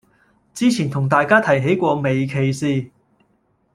之前同大家提起過微歧視